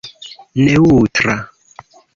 neŭtra